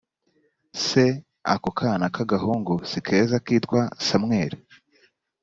se ako kana k’agahungu si keza kitwa samweli